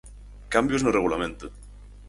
Cambios no regulamento.